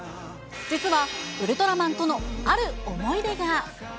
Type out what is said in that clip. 実はウルトラマンとのある思い出が。